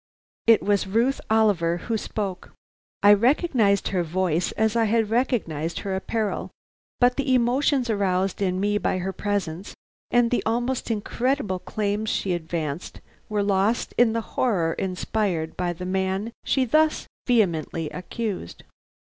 It was Ruth Oliver who spoke. I recognized her voice as I had recognized her apparel; but the emotions aroused in me by her presence and the almost incredible claims she advanced were lost in the horror inspired by the man she thus vehemently accused.